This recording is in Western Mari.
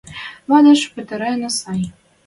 – Вадеш пӹтӓренӓ сӓй...